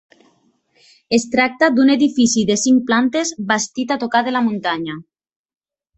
Es tracta d'un edifici de cinc plantes bastit a tocar de la muntanya.